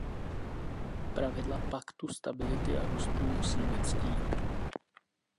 Pravidla Paktu stability a růstu musíme ctít.